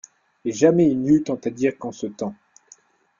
Et jamais il n'y eut tant à dire qu'en ce temps.